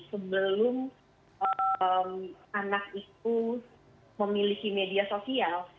sebelum anak itu memiliki media sosial